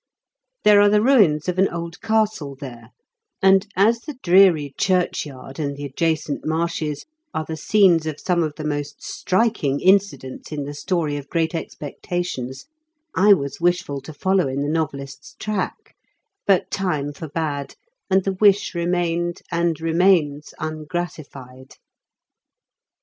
There are the ruins of an old castle there, and, as the dreary churchyard and the adjacent marshes are the scenes of some of the most striking incidents in the story of Great Expectations^ I was wishful to follow in the novelist's track ; but time forbade, and the wish remained, and remains, ungratified.